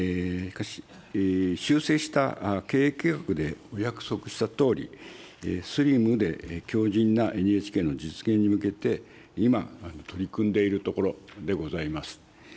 修正した経営計画でお約束したとおり、スリムで強じんなＮＨＫの実現に向けて、今、取り組んでいるところでございます。